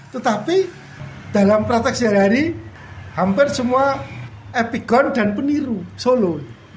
tetapi dalam praktek sehari hari hampir semua epigon dan peniru solo